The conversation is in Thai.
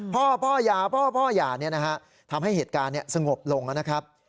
พ่อพ่อย่าพ่อพ่อย่าเนี้ยนะฮะทำให้เหตุการณ์เนี้ยสงบลงนะครับ